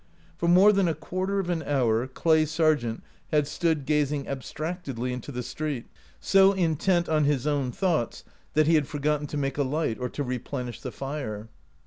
For more than a quarter of an hour Clay Sargent had stood gazing ab stractedly into the street, so intent on his own thoughts that he had forgotten to make a light or to replenish the fire.